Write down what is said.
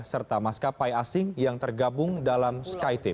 serta maskapai asing yang tergabung dalam skyteam